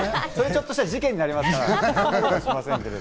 ちょっとした事件になりますから。